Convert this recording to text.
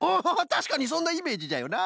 たしかにそんなイメージじゃよな。